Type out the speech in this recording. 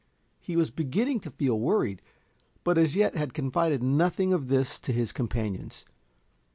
He was beginning to feel worried, but as yet had confided nothing of this to his companions.